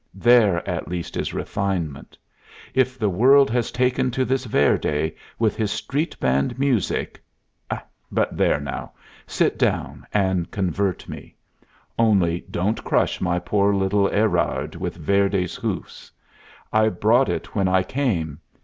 There, at least, is refinement. If the world has taken to this Verdi, with his street band music But there, now! Sit down and convert me. Only don't crush my poor little Erard with Verdi's hoofs. I brought it when I came.